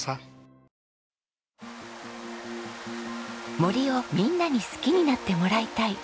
森をみんなに好きになってもらいたいと願う